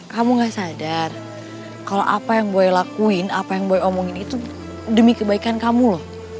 kamu gak sadar kalau apa yang boy lakuin apa yang boleh omongin itu demi kebaikan kamu loh